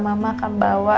mama akan bawa kado teriak